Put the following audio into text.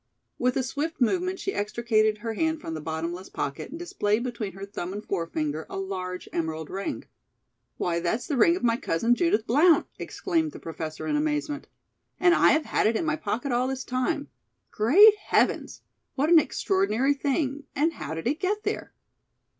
With a swift movement she extricated her hand from the bottomless pocket and displayed between her thumb and forefinger a large emerald ring. "Why, that's the ring of my cousin, Judith Blount!" exclaimed the Professor in amazement. "And I have had it in my pocket all this time. Great heavens! what an extraordinary thing, and how did it get there?"